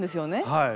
はい。